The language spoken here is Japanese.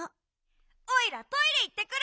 おいらトイレいってくる！